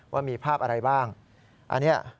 ว่ามีภาพอะไรบ้างอันนี้